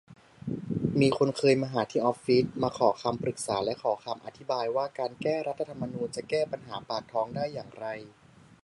มีคนเคยมาหาที่ออฟฟิศ มาขอคำปรึกษาและขอคำอธิบายว่า การ แก้รัฐธรรมนูญ จะแก้ปัญหาปากท้องได้อย่างไร